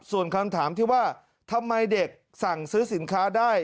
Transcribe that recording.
ส่วนคำถามที่ว่าทำไมเด็กสั่งซื้อสินค้าได้